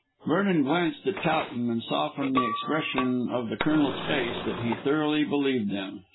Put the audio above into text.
Vernon glanced at Towton and saw from the expression of the Colonel's face that he thoroughly believed them.